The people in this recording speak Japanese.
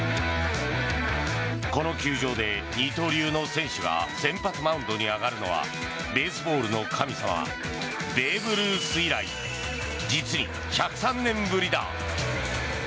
この球場で二刀流の選手が先発マウンドに上がるのはベースボールの神様ベーブ・ルース以来実に１０３年ぶりだ。